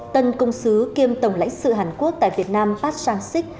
tân công sứ kiêm tổng lãnh sự hàn quốc tại việt nam park sang sik